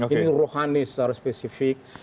ini rohani secara spesifik